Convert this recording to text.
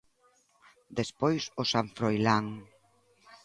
Despois, o San Froilán.